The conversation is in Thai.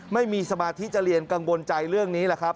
ไม่มีสมาธิจะเรียนกังวลใจเรื่องนี้แหละครับ